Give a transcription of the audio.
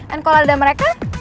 and kalau ada mereka